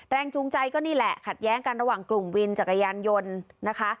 จูงใจก็นี่แหละขัดแย้งกันระหว่างกลุ่มวินจักรยานยนต์นะคะ